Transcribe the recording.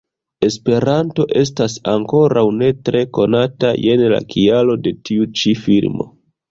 Esperanto estas ankoraŭ ne tre konata, jen la kialo de tiu ĉi filmo.